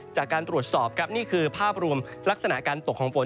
จากการตรวจสอบครับนี่คือภาพรวมลักษณะการตกของฝน